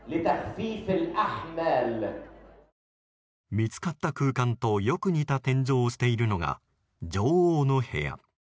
見つかった空間とよく似た天井をしているのが女王の部屋。